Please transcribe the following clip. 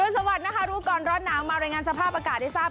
สวัสดีนะคะรู้ก่อนร้อนหนาวมารายงานสภาพอากาศให้ทราบ